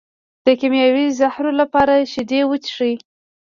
د کیمیاوي زهرو لپاره شیدې وڅښئ